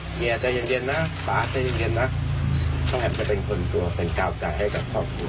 เจียวใจยันเย็นนะป๊าใจยันต้องมีเป็นคนตัวเป็นเก่าใจในครอบครัว